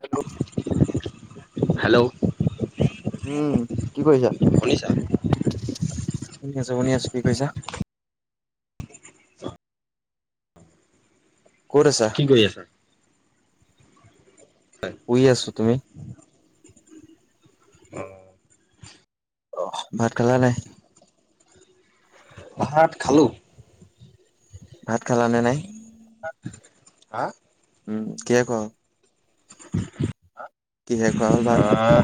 Hello. Hello উম কি কৰিছা শুনিছা শুনি আছে শুনি আছো কি কৈছা ক'ত আছা? কি কৰি আছা শুই আছো তুমি অ। অ ভাত খালা নাই। ভাত খালোঁ ভাত খালানে নাই হা উম কি ক কি শেষ খোৱা হ'ল ভাত আহ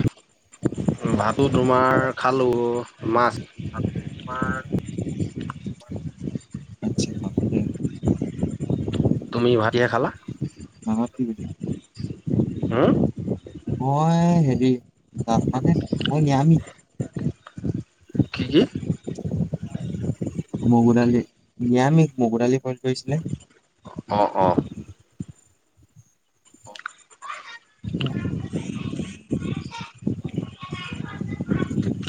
ভাতো তোমাৰ খালোঁ মাছ আ আচ্ছা [unintelligible] তুমি ভাটিয়ে খালা অ ঠিক আছে হুম মই হেৰি মানে মই [unintelligible] কি কি মগুদালি নিয়ামিক মগুদালি কল কৰিছিলে অ অ [unintelligible] এ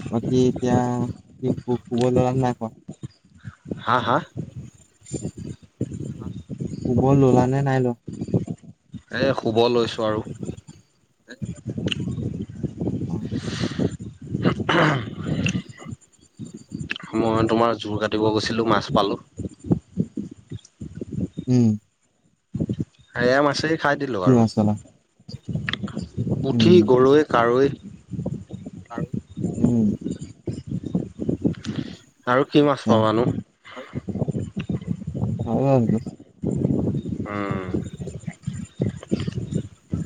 বাকিতিবল ন হা হা। শুব ললা নে নাই লোৱা এই শুব লৈছোঁ আৰু অ মই তোমাৰ জোৰ কাটিব গৈছিলোঁ মাছ পালোঁ উম আয়া মাছে খাই দিলোঁ কি আৰু মাছ ল'লা? পুঠি, উম, গৰৈ, কাৱৈ [unintelligible] উম আৰু কি মাছ আচ্ছা। পাবানো হয় বাৰু সেইটো উম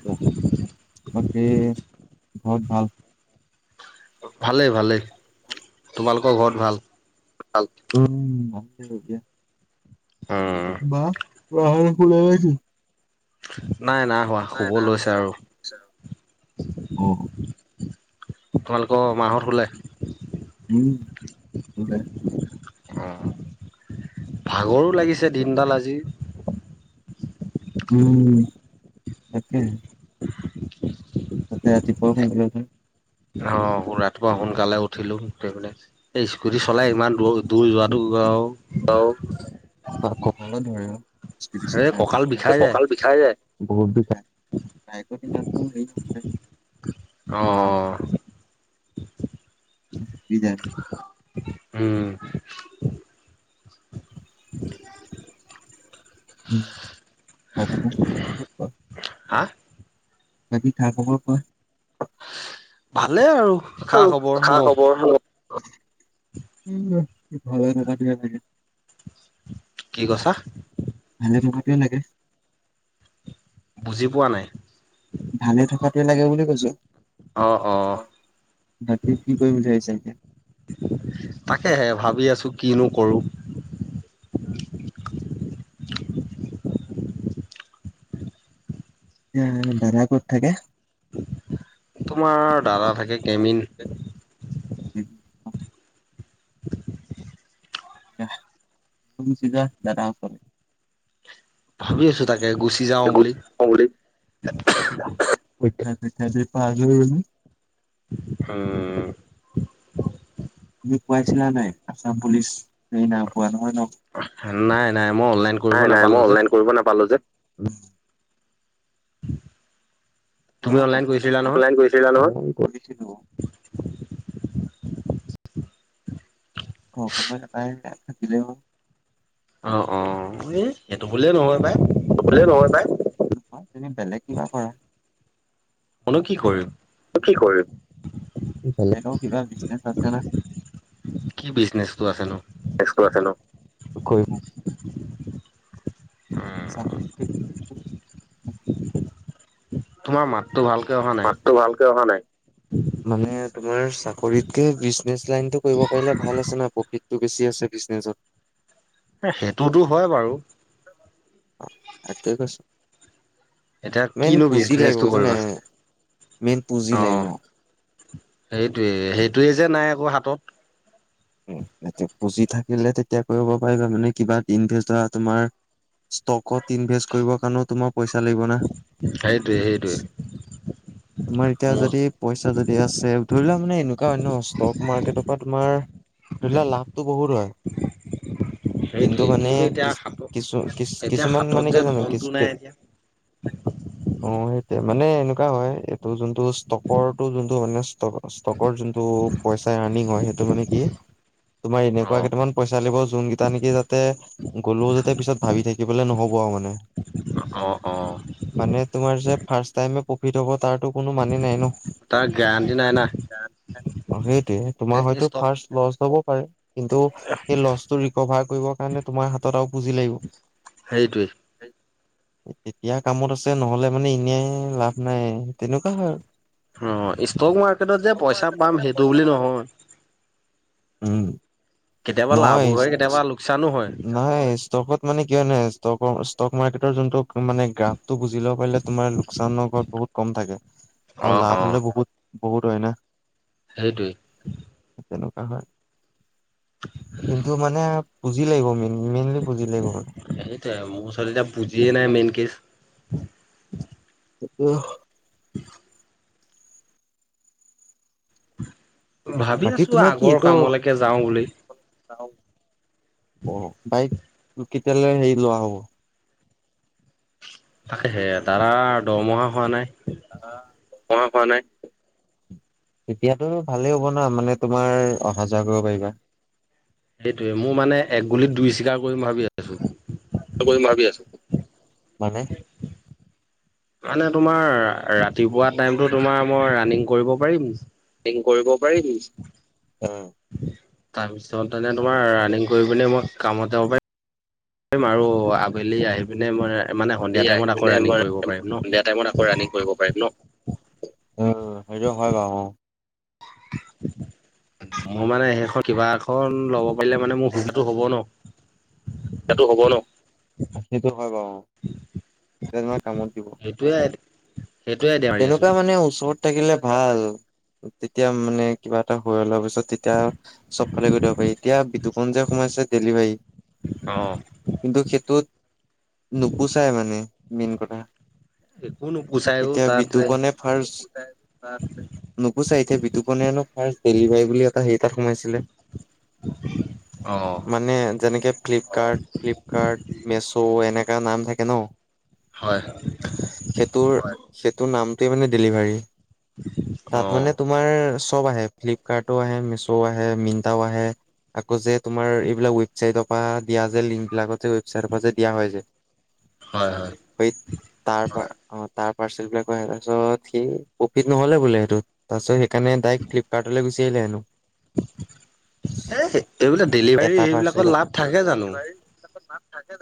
অ বাকী ঘৰত ভাল ভালেই ভালেই তোমালোকৰ ঘৰত ভাল [unintelligible] উম [unintelligible] উম বা [unintelligible] হ ত ৰাাহ ফুল আহ নাই নাই হোৱা শুব লৈছে আৰু অহ তোমালোক মা হঁত শুলে? উম শুলে অ ভাগৰো লাগিছে দিনডাল আজি উম তাকে তাতে ৰাতিপুৱা সোনকালে উঠোঁ অ ৰাতিপুৱা সোনকালে উঠিলো, উঠি পিনে এই স্কুটি চলাই ইমান দৰ দূৰ যোৱাতো আৰু কঁকালত ধৰে এই কঁকাল বিষাই নহ যায় ককাল বিষাই যায় বহুত দুখা বাইকৰ দিনো হেই নহয় [unintelligible] অ বিধাৰ [unintelligible] উম [unintelligible] হা বাকী সা খবৰ কোৱা ভালে আৰু খা আৰু খবৰ খা ন খবৰ নো উম ভাল নিকে থে [unintelligible] কি কৈছা ভালে থকাটোৱে লাগে বুজি পোৱা নাই ভালে থকাতোৱে লাগে বুলি কৈছো অ অ বাকী কি কৰিম বুলি ভাবিছে এতিয়া তাকেহে ভাবি আছোঁ কিনো কৰোঁ দাদাই কত থাকে তোমাৰ দাদা থাকে কেমিন [inaudible] [unintelligible] ভাবি আছো তাকে গুচি যাওঁ বুলি [unintelligible] হম তুমি পোৱাইছিলা নাই আছাম পুলিচ স ন পোৱা নহয় ন নাই নাই মই অনলাইন কৰিব নাই নাই মই নাপালো যে অনলাইন কৰিব নাপালো [inaudible] তুমি অনলাইন কৰিছিলা নহয় অনলাইন কৰিছিলা নহয় কৰিছিলো [inaudible] অ অ এই ইেইটো বুলিয়েই নহয় পাই [unintelligible] তুমি বেলেগ কিবা কৰা মনো কি কৰিম কি বিজনেচটো আছেনো [unintelligible] [unintelligible] তোমাৰ মাত মাতটো ভালকে অহা নাই মানে তোমাৰ চাকৰিতকে বিজনেচ লাইনতটো কৰিব পাৰিলে ভাল আছে না প্ৰফিটটো বেছি আছে বিজনেছত সেইটোতো হয় বাৰু অ এট কছ এতিয়া মেইন কিনো পুঁজি লাগিব বিজনেচটো জানে কৰিবা মেইন পুঁজি লাগিব সেইটোৱে সেইটোৱে যে নাই আকৌ হাতত এয়া পুজি থাকিলে তেতিয়া কৰিব পাৰিবা মানে কিবা ইনভেষ্ট ধ তোমাৰ ষ্টকত ইনভেষ্ট কৰিব কাৰণেও তোমাৰ পইচা লাগিব না সেইটোয়ে সেইটোয়ে তোমাৰ এতিয়া মোৰ যদি পইচা যদি আছে ধৰি লোৱা মানে এনেকুৱা অনয় ষ্টক মাৰ্কেটৰ পৰা তোমাৰ ধৰি লোৱা লাভটো বহুত হয় কিন্তু সেইটোৱে মানে এতিয়া কি হাতত কিছু কি এতিয়া কিছুমান হাতত মানে যে কি জানো কি অ ধনটো নাই এতিয়া সেইটো মানে এনেকুৱা হয় এইটো যোনটো ষ্টকৰটো যোনটো মানে ষ্ট ষ্টকৰ যোনটো পইচাই আৰ্নিং হয় সেইটো মানে কি তোমাৰ অ এনেকুৱা কেইটামান পচ চালিব যোনকেইটা নেকি যাতে গ'লো যাতে পিছত ভাবি থাকিবলৈ নহ'ব আৰু মানে অঁ অঁ মানে তোমাৰ যে ফাৰ্ষট টাইমে প্ৰফিট হ'ব তাৰো কোনো মানি নাই ন তাৰ গাৰেণ্টি নাই না অ সেই তোমাৰ হয়তো ষ্টক ফাৰ্ষ্ট লছ লব পাৰে কিন্তু সেই লছটো কভাৰ কৰিবৰ কাৰণে তোমাৰ হাতত আৰু পুজি লাগিব। সেইটোৱেই এতিয়া কামত আছে নহলে মানে এনেই লাভ নাই তেনেকুৱা হয় অ ষ্টক মাৰ্কেটত যে পইচা পাম সেইটো বুলি আৰু নহয় উম কেতিয়াবা লাভো হয় কেতিয়াবা লোকচানো হয় নাই ষ্টকত মানে কিয় নাই ষ্টক ষ্টক মাৰ্কেটৰ যোনটো মানে গ্ৰাফটো বুজ ল পাৰিলে তোমাৰ লোকচানৰ ঘৰত বহুত কম থাকে অ আৰু লাভ হ'লেও বহুত বহুত হয় ন সেইটোৱেই তেনেকুৱা হয়। কিন্তু মানে জিলে গ'মি সেইটোয়ে মোৰ ওচৰত এতিয়া বুজিয়ে নাই মেইন কেচ উ উম [inaudible] ভাবি বাকী আছো তোমাৰ কি আগৰ এইটো কামলৈকে যাওঁ বুলি অ বাইক কেতিয়ালৈ হেৰি লোৱা হ'ব তাকে সে দাদা দৰমহা হোৱা নাই োৱা নাই এতিয়াতো ভালেই হ'ব ন মানে তোমাৰ অহা যোৱা কৰিব পাৰিবা সেইটোৱে মোৰ মানে এক গুলিত দুই চিকাৰ কৰিম ভাবি আছো মাবি আছো মানে মানে তোমাৰ ৰাতিপুৱা টাইমতটো তোমাৰ মই ৰাণং কৰিব পাৰিম কৰিব পাৰিমি তাৰপিছত অ ত তোমাৰ ৰানিং কৰি পিনে মই কামত বাৰে আৰু আবেলি আহি পিনে মই মানে সন্ধিয়া সয় আহ টাইমত আকৌ মনে ৰানিং মই কৰিব পাৰিম ন সন্ধিয়া টাইমত আকৌ ৰানিিং কৰিব পাৰিম ন উ সেইটো হয় বাৰু অ ম মানে সেইখন কিবা এখন ল'ব। পাৰে মানে মোৰ সুধাটো হব ন। সটো হ'ব ন সেইটো হয় বাৰু তেহয় কামত দিব সেইটোয়ে [inaudible] তেনেকুৱা মানে ওচৰত থাকিলে ভাল তেতিয়া মানে কিবা এটা হৈ অলপ তাৰিছত তেতিয়া চবফালে কৰি দিব পাৰি এতিয়া বিতুপন্জ সোমাইছে ডেলিভাৰী অ কিন্তু সেইটোত নুপুচাই মানে ম কথা এই কোনো এতিয়া বিতুপনে ফাৰ্ষ নুকোছাই এতিয়া বিতুপনেনো ফাৰ্ষ [unintelligible] ডেলিভাই বুলি এটা হ [unintelligible] তাত সোমাইছিলে অ মানে যেনেকে ফ্লিপকাৰ্ট ফ্লিপকাৰ্ট মেছো এনেকা নাম থাকে ন হয় তোৰ নামটোৱে মানে ডেলিভাৰী অ তাত মানে তোমাৰ চব আহে ফ্লিপকাৰ্টও আহে মিছ আহে মিণ্টটাও আহে আকৌ যে তোমাৰ এইবিলাক ৱেবচাইটৰ পৰা দিয়া যে লিংক বিলাকতে ৱেবচাইটৰ পৰা যে দিয়া হয় যায় হয় হয় [unintelligible] স তাৰ পৰা আ পাৰ্চেলবিলাক আহ তাৰপিছত সেই প্ৰফিট নহ'লে বোলে সেইটোত তাৰপিছত সেইকাৰণে ডৰেক্ট ফ্লিপকাৰ্টলৈ গুচি আহিলে হে এইবিলাক ডেলিভাৰী এটা সেইবিলাকৰ লাভ থাকে জানো তাকেত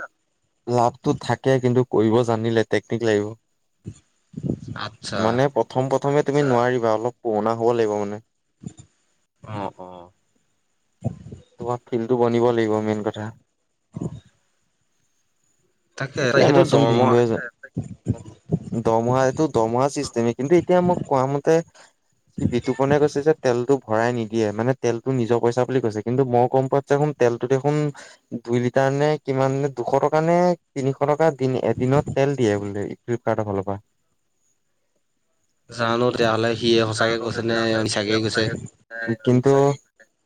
[unintelligible] লাভটো থাকে কিন্তু কৰিব জানিলে টেকনিক লাগিব আচ্ছা মানে প্ৰথম প্ৰথমে তুমি নোৱাৰিবা অলপ পুৰণা হ'ব লাগিব মানে অঁ অঁ তমত ফিলো [unintelligible] বনিব লাগিব মেইন কথা তাকে এতিয়া সেইটো মমাৰচোন দৰমহা ভিনন্দুৱে য দমহা এইটো দমহা চিষ্টেম কিন্তু এতিয়া মোক কোৱা মতে সি বিতুপনে কৈছে যে তেলটো [unintelligible] ভৰাই নিদিয়ে মানে তেলতটো নিজৰ পইচা বুলি কৈছে কিন্তু মই গম পোৱা দেখোন তেলতো দেখোন দুই লিটাৰ নে কিমান দুশ টকা নে তিনিশ টকা এদিনত তেল দিয়ে বোলে। ফ্লিপকাৰ্টৰ ফালৰ পৰা জানো তেতিয়াহলে, সিয়ে সঁচাকে জানো কৈছে নে, তেতিয়াহ'লে কি মিছাকেই কৈছে? সঁচাকে কিন্তু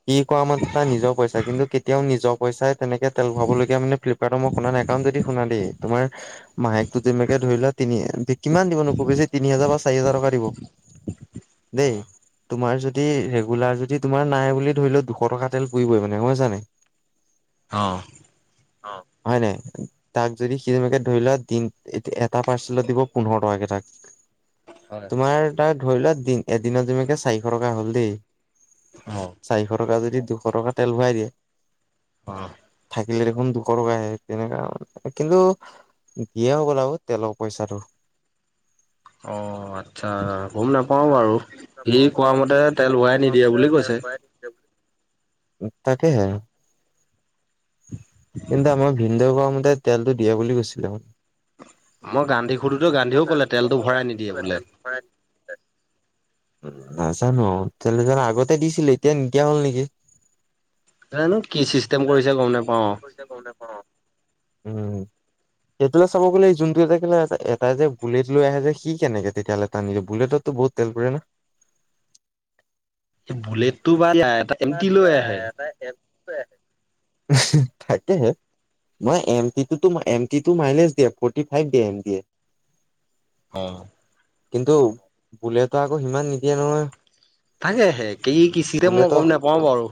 কি কোৱা মতে তাৰ নিজৰ পইচা কিন্তু কেতিয়াও নিজৰ পইচাই তেনেকে তেল ভৰাবলগীয়া মানে ফ্লিপকাৰ্ট মই শুনা নাই একা যদি শুনা দেই তোমাৰাহেকটো যেনেকে ধৰিলোৱা তিনি কিমান দিব ন কো বেি তিনি হাজাৰ প। চিহাজৰ টকা দিব [unintelligible] অ দেই তোমাৰ যদি যদি ৰেগুলাৰ যদি তোমাৰ নাই বুলি ধৰি লও দুশ টকা তেল পুৰিবই মানে হয়য়ছানে অ হয় নে তাক যদি সি তেনেকে ধৰি লোৱা দ এটা পাৰ্চেলত দিব পোন্ধৰ টকাকে টাক‌ তোমাৰ তাই ধৰিলে দিন এদিনত যেুনোকে চাৰিশ টকা হ'ল দেই চাৰিশ টকা যদি দুশ টকা তেল ভৰাই দিয়ে অ থাকিলে দেখোন দুশ টকা আহে তেনেকা কিন্তু দিয়ে হ গ'ল আৰু তেলৰ পইচাটো অ আচ্ছা গম নাপাও বাৰু সি নাপাওঁ কোৱা বাৰু মতে তেল োৱাই নিদিয়ে বুলি কৈছে তাকে হে কিন্ত আ ম বিন্দে ততে তেলটো দিয়া বুলি কৈছিলে ম মই গান্ধী সুধোঁতে গান্ধীয়েও ক'লে তেলটো ভৰাই নিদিয়ে বোলে। নাজানোলে জান আগতে দিছিলো এতিয়া নকিয়া হ'ল নেকি জানো কি চিষ্টেম জানো কি কৰিছে গম নোপাও কৰিছে গম নেপাওঁ। উম সেইটোে চাব গ'লে যোনটো এটা কেলে াই যে বুলেট লৈ আহে যে সি কেনেকে তেতিয়াহ'লে টানি বুলেটতো বহুত তেল পৰে না এই বুলটটো এ এমটি লৈ আহে থাকে মই এম টি টি মাইনাচ দিয়ে ফটি ফাইভ দ অ কিন্তু বোলে তো আকৌ সিমান নিদিয়ে নহয় তাকে হে কি কি চিছে মই বুলেটো গম নাপা অ', বাৰু।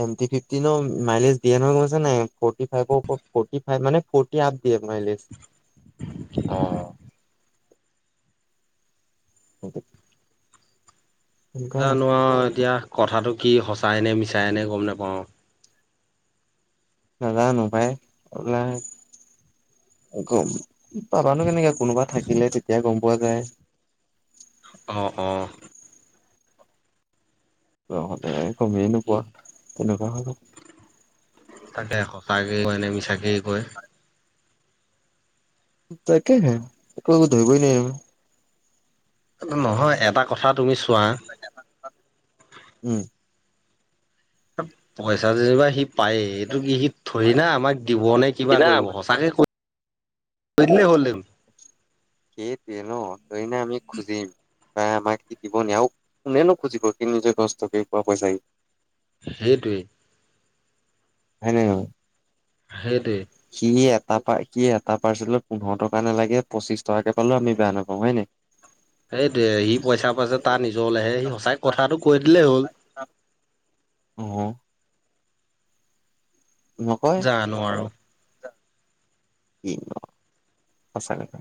এম টি ফিফটিন মাইলেজ দিয়ে নহয় কৈছে নাই ফৰ্টি ফাইভৰওপ ফৰ্টি ফাই মানে ফটি আপ দিয়ে মাইলেজ অ সেইটো জ জানো এতিয়া কথাাতটো কি সঁচাই নে মিছা চাইনে ঘূম ন পাওঁ নাজানো ভাইল পাবাানো কেনেকে কোনোবা থাকিলে তেতিয়াাই গম পোৱা যায় অ অ তহ'লে কমিয়ে কি নোপোৱা তেনেকুৱা হ' তাকে সঁচাকয় কনেে মিছাকেই কয় তাকেহে এক ধৰিবই ন নহয় এটা কথা তুমি চোৱা উম পইচা যেিবা সি পায় এইটো কি সি ধৰি না আমাক দিব নে কিবা কৰিব সঁচাকে। তনে হলে কেইতিেন ধৰিনে আমি খুজিম বা আমাক সি দিব নিয় আৰু কোনে নোখুজিব কি নিজে কষ্ট কে কোৱা পইচাি সেইটোৱেই হয়নে হয়েই সি এটা কি এটা পাৰ্চেলত পোন্ধৰ টকা ন লাগে পচিছ টকাকে পালেও আমি বেয়া নাপাওঁ হয় নাই এইটো সি পইচা পইচা তাৰ নিজৰ ওল আহে সি সঁচাই কথাটো কৈ দিলেই হ'ল অ নকয় জানো আৰু কি সচাকে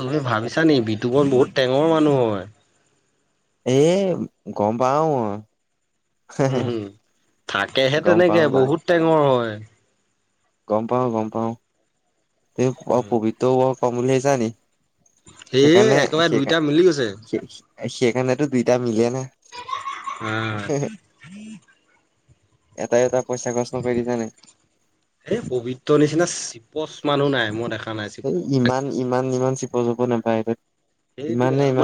তুমি ভাবিছা নি তমাৰ বহুত টেঙৰ মানুহ হয়। [unintelligible] এ গম পাও অ উম হম থাকেহে গম পাও তেনেকে গম বহুত টেঙৰ হয় উ গম পাও গম পাওঁ স পবিত্ৰ কমলেশ জানি সেই একেবাৰে দুইটা মিলি গৈছে। এনেতো দুইটা মিলে নে আহ এটা এটা পইচা খৰচ নকৰি দিছা নাই এই পবিত্ৰ নিচিনা চিপচ মানুহ নাই মই দেখা। নাই এই চিপচ ইমান ইমান ইমান চিপ চিপ নাপায় সেইটোৱে ইমানে আমাৰ ইমান